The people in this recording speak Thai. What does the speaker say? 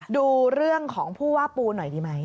ดูเรื่องของผู้ว่าปูหน่อยดีไหม